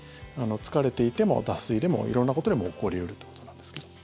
疲れていても脱水でも色んなことでも起こり得るということなんですけど。